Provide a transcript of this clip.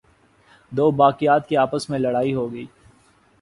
دوباقیات کی آپس میں لڑائی ہوگئی۔